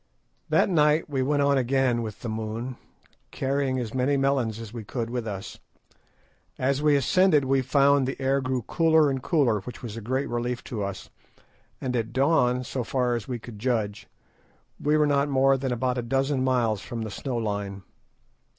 That night we went on again with the moon, carrying as many melons as we could with us. As we ascended we found the air grew cooler and cooler, which was a great relief to us, and at dawn, so far as we could judge, we were not more than about a dozen miles from the snow line.